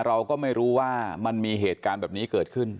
เราก็ไม่รู้ว่ามันมีเหตุการณ์แบบนี้เกิดขึ้น